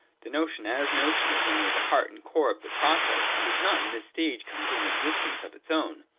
The notion as notion is only tlie heart and core of the process, and does not in this stage come to an existence of its own.